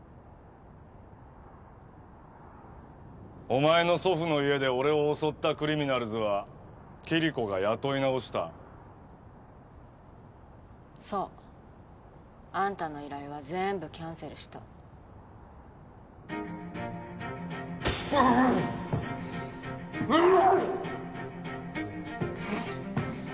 お前の祖父の家で俺を襲ったクリミナルズはキリコが雇い直したそうあんたの依頼は全部キャンセルしたうー！うー！